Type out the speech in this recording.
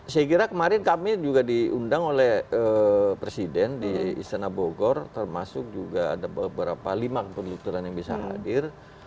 saya kira kemarin kami juga diundang oleh presiden di istana bogor termasuk juga ada beberapa lima kementerian yang bisa hadir